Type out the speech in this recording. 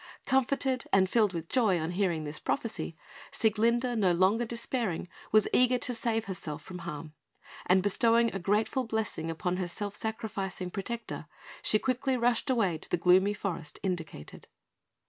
Comforted, and filled with joy on hearing this prophecy, Sieglinde, no longer despairing, was eager to save herself from harm; and bestowing a grateful blessing upon her self sacrificing protector, she quickly rushed away towards the gloomy forest indicated.